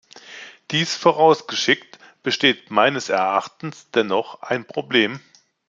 Dies vorausgeschickt besteht meines Erachtens dennoch ein Problem.